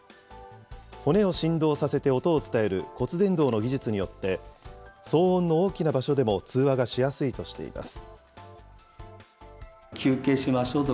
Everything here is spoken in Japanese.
骨を振動させて音を伝える骨伝導の技術によって、騒音の大きな場所でも通話がしやすいとしています。